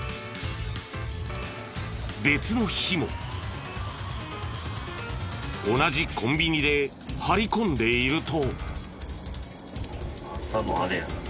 別の日も同じコンビニで張り込んでいると。